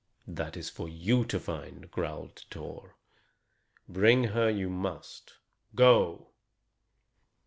"That is for you to find," growled Thor. "Bring her you must. Go!"